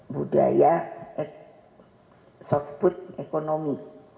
budaya sosbud ekonomi